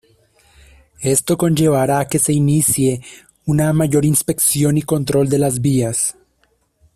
Esto conllevará que se inicie una mayor inspección y control de las vías.